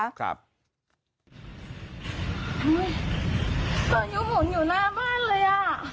อายุหมุนอยู่หน้าบ้านเลย